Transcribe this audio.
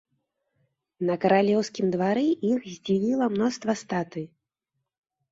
На каралеўскім двары іх здзівіла мноства статуй.